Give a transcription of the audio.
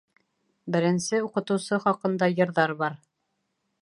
Беренсе уҡытыусы хаҡында йырҙар бар